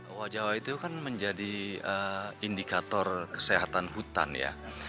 owa jawa itu kan menjadi indikator kesehatan hutan ya